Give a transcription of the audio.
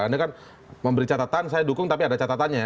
anda kan memberi catatan saya dukung tapi ada catatannya ya